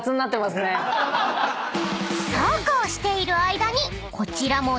［そうこうしている間にこちらも］